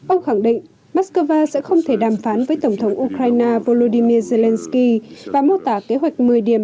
ông khẳng định moscow sẽ không thể đàm phán với tổng thống ukraine volodymyr zelensky và mô tả kế hoạch một mươi điểm